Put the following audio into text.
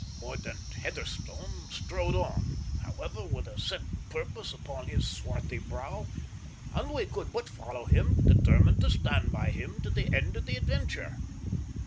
Mordaunt Heatherstone strode on, however, with a set purpose upon his swarthy brow, and we could but follow him, determined to stand by him to the end of the adventure.